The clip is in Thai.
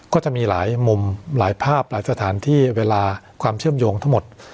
ก็จะมีหลายมุมหลายภาพหลายสถานที่เวลาความเชื่อมโยงทั้งหมด